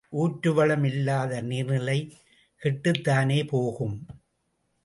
ஊற்றுவளம் இல்லாத நீர்நிலை கெட்டுத்தானே போகும்?